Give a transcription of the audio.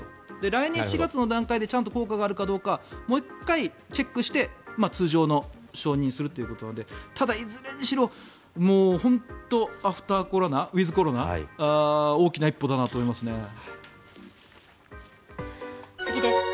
来年の７月の段階でちゃんと効果があるかどうかもう１回チェックして通常の承認するということでただ、いずれにしろ本当にアフターコロナウィズコロナ大きな一歩だなと思いますね。